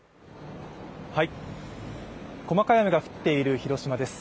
細かい雨が降っている広島です。